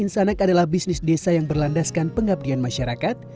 insanak adalah bisnis desa yang berlandaskan pengabdian masyarakat